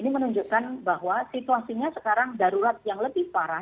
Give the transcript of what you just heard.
ini menunjukkan bahwa situasinya sekarang darurat yang lebih parah